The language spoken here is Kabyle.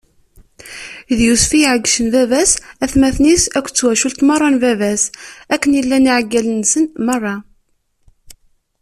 D Yusef i yeɛeggcen baba-s, atmaten-is akked twacult meṛṛa n baba-s, akken i llan iɛeggalen-nsen meṛṛa.